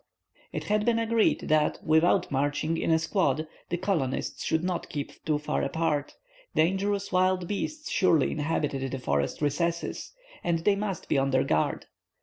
It had been agreed that, without marching in a squad, the colonists should not keep too far apart. Dangerous wild beasts surely inhabited the forest recesses, and they must be on their guard.